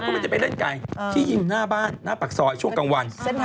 ก็มันจะไปเล่นก่ายที่อยู่หน้าบ้านหน้าปากซอยช่วงกลางวัน